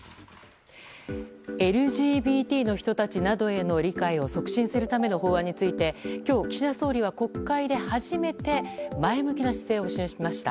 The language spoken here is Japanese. ＬＧＢＴの人たちなどへの理解を促進するための法案について今日岸田総理は国会で初めて前向きな姿勢を示しました。